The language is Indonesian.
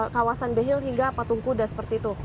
kawasan behil hingga patung kuda seperti itu